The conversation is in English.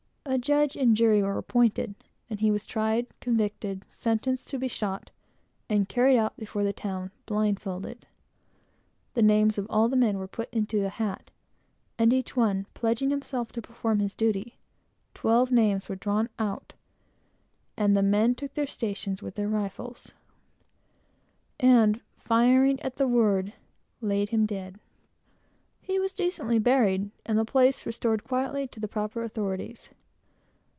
A judge and jury were appointed, and he was tried, convicted, sentenced to be shot, and carried out before the town, with his eyes blindfolded. The names of all the men were then put into a hat and each one pledging himself to perform his duty, twelve names were drawn out, and the men took their stations with their rifles, and, firing at the word, laid him dead. He was decently buried, and the place was restored quietly to the proper authorities.